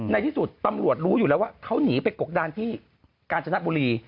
ในที่สุดตำรวจรู้อยู่แล้วว่าเขาหนีไปกบดานที่กาญจนบุรี